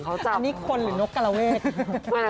อันนี้คนหรือนกกรเวท